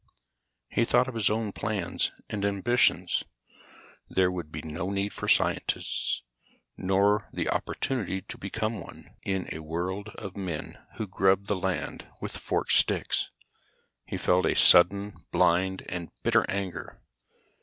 He thought of his own plans and ambitions. There would be no need for scientists, nor the opportunity to become one, in a world of men who grubbed the land with forked sticks. He felt a sudden blind and bitter anger.